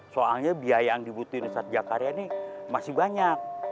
soalnya biaya yang dibutuhkan ustadz jakari ini masih banyak